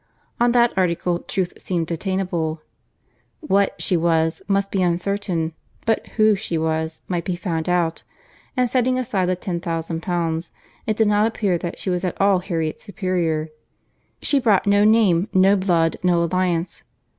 On that article, truth seemed attainable. What she was, must be uncertain; but who she was, might be found out; and setting aside the 10,000 l., it did not appear that she was at all Harriet's superior. She brought no name, no blood, no alliance.